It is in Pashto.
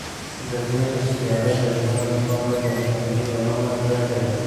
د ځمکې سیاره د ژوند لپاره یو خوندي او امن ځای دی.